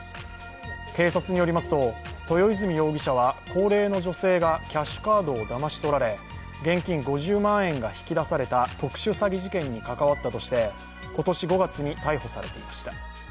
警察によりますと、豊泉容疑者は高齢の女性がキャッシュカードをだまし取られ現金５０万円が引き出された特殊詐欺事件に関わったとして今年５月に逮捕されていました。